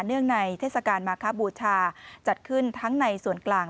งในเทศกาลมาคบูชาจัดขึ้นทั้งในส่วนกลาง